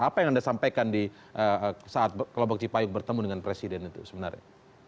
apa yang anda sampaikan di saat kelompok cipayuk bertemu dengan presiden itu sebenarnya